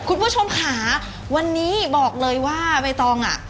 คุณผู้ชมค่ะวันนี้บอกเลยว่าใบตองอ่ะ